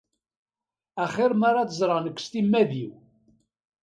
Axir mer ad t-ẓreɣ nekk s timmad-iw.